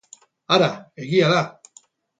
Hara, egia da!